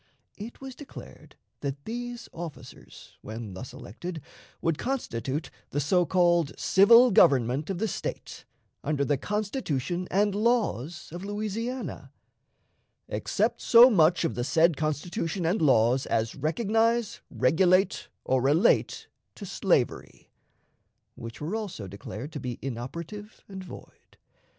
It was declared that these officers, when thus elected, would constitute the so called civil government of the State, under the Constitution and laws of Louisiana, "except so much of the said Constitution and laws as recognize, regulate, or relate to slavery," which were also declared to be inoperative and void.